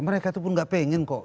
mereka itu pun gak pengen kok